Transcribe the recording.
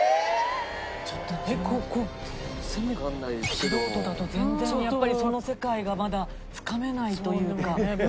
素人だと全然やっぱりその世界がまだつかめないというかなかなか言葉では。